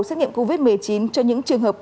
xét nghiệm covid một mươi chín cho những trường hợp